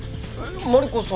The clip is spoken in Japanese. マリコさん